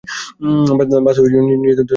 বাসু নিজেই তদন্ত শুরু করেন আসল অপরাধীর সন্ধানে।